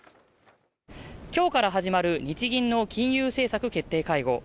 今日から始まる日銀の金融政策決定会合